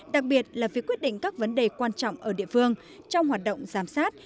đặc biệt là việc quyết định các vấn đề quan trọng ở địa phương trong hoạt động giám sát